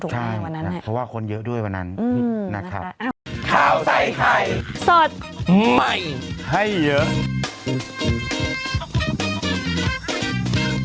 ถูกไหมวันนั้นใช่เพราะว่าคนเยอะด้วยวันนั้นอืมนะครับ